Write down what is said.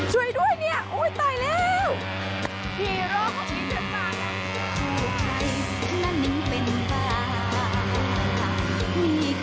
ช่วยด้วยเนี่ยอุ้ยตายแล้ว